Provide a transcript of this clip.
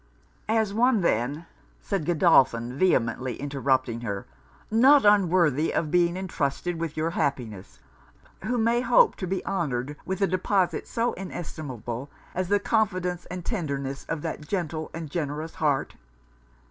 'As one then,' said Godolphin, vehemently interrupting her, 'not unworthy of being entrusted with your happiness; who may hope to be honoured with a deposit so inestimable, as the confidence and tenderness of that gentle and generous heart?'